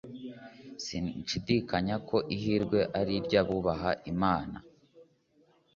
sinshidikanya ko ihirwe ari iry'abubaha imana